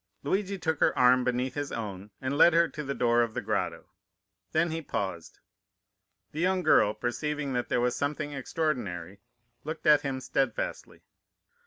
"Luigi took her arm beneath his own, and led her to the door of the grotto. Then he paused. The young girl, perceiving that there was something extraordinary, looked at him steadfastly.